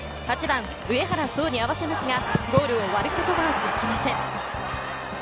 ８番・上原壮に合わせますがゴールを割ることはできません。